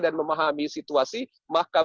dan memahami situasi maka